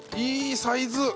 いいサイズ！